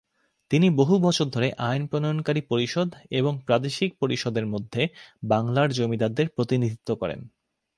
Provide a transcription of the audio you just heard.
তিনি বহু বছর ধরে আইন-প্রণয়নকারী পরিষদ্ এবং প্রাদেশিক পরিষদের মধ্যে বাংলার জমিদারদের প্রতিনিধিত্ব করেন।